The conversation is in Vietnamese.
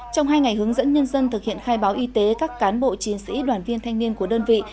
trong hai ngày hướng dẫn nhân dân thực hiện khai báo y tế các cán bộ chiến sĩ đoàn viên thanh niên của đơn vị